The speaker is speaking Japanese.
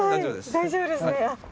大丈夫ですね。